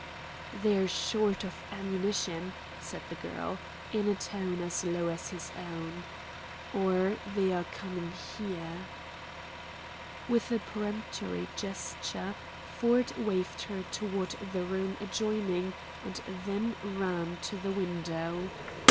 "They're short of ammunition," said the girl, in a tone as low as his own; "or they are coming HERE." With a peremptory gesture, Ford waved her toward the room adjoining and then ran to the window.